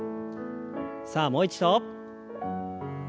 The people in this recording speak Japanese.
さあもう一度。